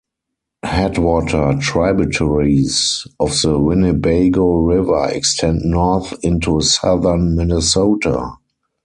Headwater tributaries of the Winnebago River extend north into southern Minnesota.